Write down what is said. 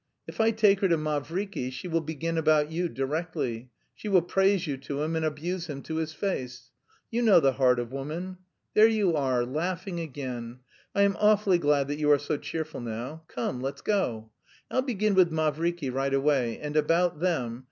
If I take her to Mavriky she will begin about you directly; she will praise you to him and abuse him to his face. You know the heart of woman! There you are, laughing again! I am awfully glad that you are so cheerful now. Come, let's go. I'll begin with Mavriky right away, and about them...